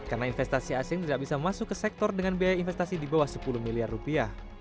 karena investasi asing tidak bisa masuk ke sektor dengan biaya investasi di bawah sepuluh miliar rupiah